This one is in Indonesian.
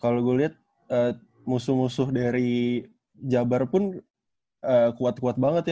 kalau gue lihat musuh musuh dari jabar pun kuat kuat banget ya